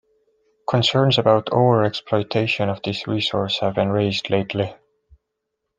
Concerns about over-exploitation of this resource have been raised lately.